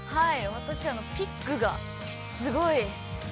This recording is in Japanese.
◆私は、ピッグが、すごい。